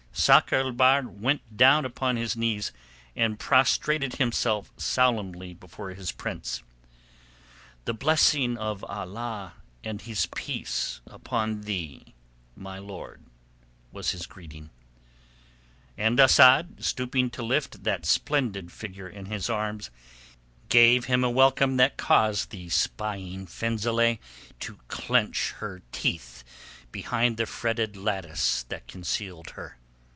Sakr el Bahr went down upon his knees and prostrated himself solemnly before his prince. "The blessing of Allah and His peace upon thee, my lord," was his greeting. And Asad, stooping to lift that splendid figure in his arms, gave him a welcome that caused the spying Fenzileh to clench her teeth behind the fretted lattice that concealed her.